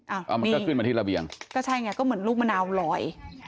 มันก็ขึ้นมาที่ระเบียงก็ใช่ไงก็เหมือนลูกมะนาวลอย